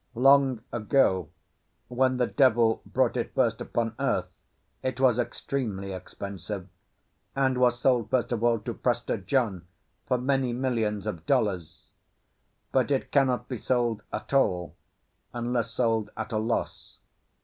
Long ago, when the devil brought it first upon earth, it was extremely expensive, and was sold first of all to Prester John for many millions of dollars; but it cannot be sold at all, unless sold at a loss.